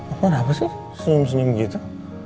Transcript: apa apa sih senyum senyum gitu